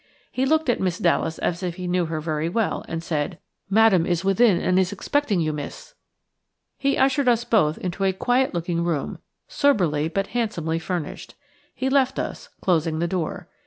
He looked at Miss Dallas as if he knew her very well, and said:– "Madame is within, and is expecting you, miss." He ushered us both into a quiet looking room, soberly but handsomely furnished. He left us, closing the door.